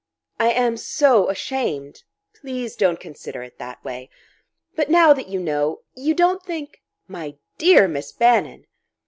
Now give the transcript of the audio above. "I am so ashamed " "Please don't consider it that way." "But now that you know you don't think " "My dear Miss Bannon!"